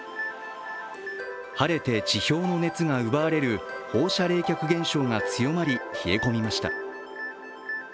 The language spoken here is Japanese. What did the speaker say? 晴れて地表の熱が奪われる放射冷却現象が強まり冷え込みました。